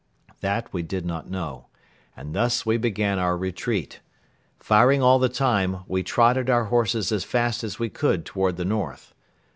That we did not know. And thus we began our retreat. Firing all the time, we trotted our horses as fast as we could toward the north.